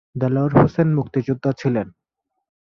দেলোয়ার হোসেন মুক্তিযোদ্ধা ছিলেন।